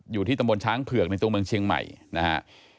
อยู่ที่ตำบลช้างเผือกในตัวเมืองเชียงใหม่นะฮะ